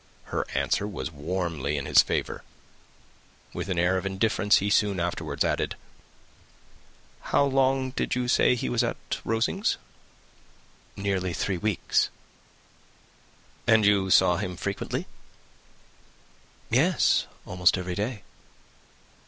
Her answer was warmly in his favour. With an air of indifference, he soon afterwards added, "How long did you say that he was at Rosings?" "Nearly three weeks." "And you saw him frequently?" "Yes, almost every day."